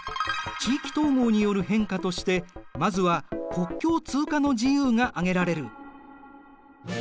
地域統合による変化としてまずは国境通過の自由が挙げられる。